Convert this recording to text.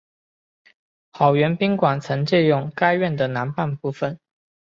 好园宾馆曾借用该院的南半部分。